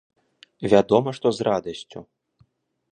Вядома, што з радасцю.